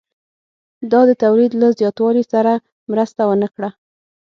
دا د تولید له زیاتوالي سره مرسته ونه کړه